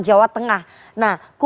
jawa tengah nah